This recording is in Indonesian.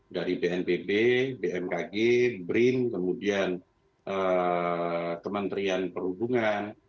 dari bnpb bmkg brin kemudian kementerian perhubungan